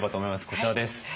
こちらです。